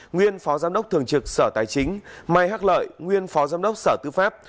nguyên phó giám đốc thường trực sở tài chính mai hắc lợi nguyên phó giám đốc sở tư pháp